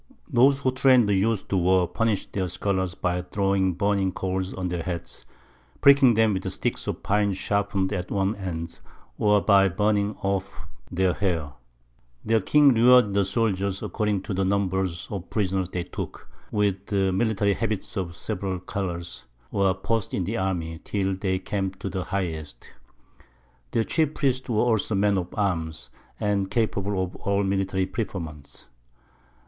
Those who train'd the Youth to War, punish'd their Scholars by throwing burning Coals on their Heads, pricking them with Sticks of Pine sharpen'd at one End, or by burning off their Hair. Their Kings rewarded the Soldiers according to the Number of Prisoners they took, with Military Habits of several Colours, or Posts in the Army, till they came to the highest. Their Chief Priests were also Men of Arms, and capable of all Military Preferments.